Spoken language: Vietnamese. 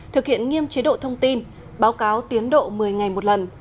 thực hiện nghiêm chế độ thông tin báo cáo tiến độ một mươi ngày một lần